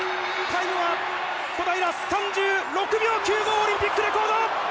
タイムは小平、３６秒９５オリンピックレコード！